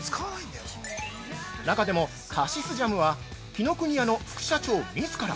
中でもカシスジャムは、紀ノ国屋の副社長みずから